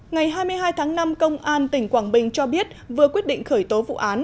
ngày hai mươi hai tháng năm công an tỉnh quảng bình cho biết vừa quyết định khởi tố vụ án